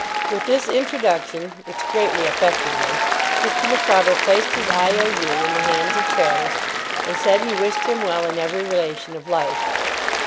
With this introduction (which greatly affected him), Mr. Micawber placed his I.O.U. in the hands of Traddles, and said he wished him well in every relation of life.